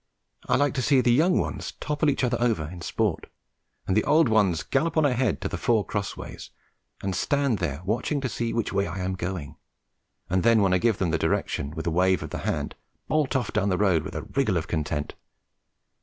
I like to see the young ones topple each other over in sport, and the old ones gallop on ahead to the four crossways, and stand there watching to see which way I am going, and then, when I give them the direction with a wave of the hand, bolt off down the road with a wriggle of content.